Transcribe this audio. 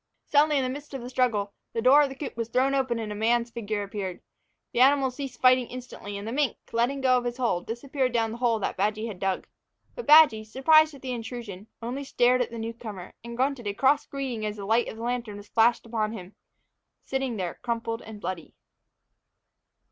Suddenly, in the midst of the struggle, the door of the coop was thrown open and a man's figure appeared. The animals ceased fighting instantly, and the mink, letting go his hold, disappeared down the hole that Badgy had dug. But Badgy, surprised at the intrusion, only stared at the newcomer, and grunted a cross greeting as the light of a lantern was flashed upon him, sitting there crumpled and bloody.